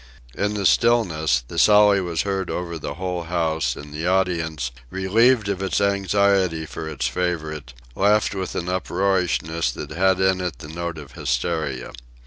In the stillness the sally was heard over the whole house, and the audience, relieved of its anxiety for its favorite, laughed with an uproariousness that had in it the note of hysteria.